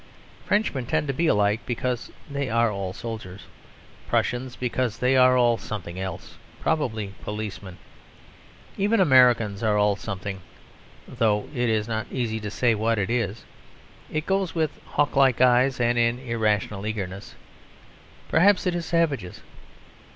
Frenchmen tend to be alike, because they are all soldiers; Prussians because they are all something else, probably policemen; even Americans are all something, though it is not easy to say what it is; it goes with hawk like eyes and an irrational eagerness. Perhaps it is savages.